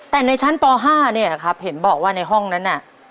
แต่ในชั้นป๕เนี่ยนะครับเห็นบอกว่าในห้องนั้นน่ะ